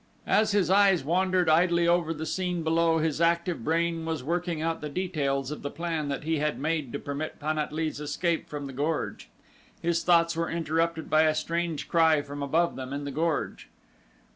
As his eyes wandered idly over the scene below his active brain was working out the details of the plan that he had made to permit Pan at lee's escape from the gorge. His thoughts were interrupted by a strange cry from above them in the gorge.